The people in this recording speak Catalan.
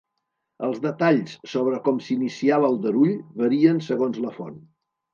Els detalls sobre com s'inicià l'aldarull varien segons la font.